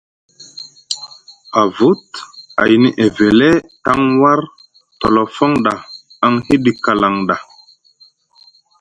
Avut ayni Evele taŋ war tolofon ɗa aŋ hiɗi kalaŋ ɗa.